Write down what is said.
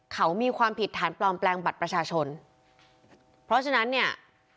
เขามีความผิดฐานปลอมแปลงบัตรประชาชนเพราะฉะนั้นเนี่ย